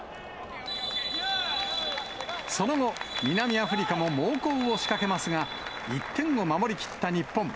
その後、南アフリカも猛攻を仕掛けますが、１点を守り切った日本。